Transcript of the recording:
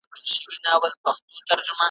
بې خبره د ښاریانو له دامونو `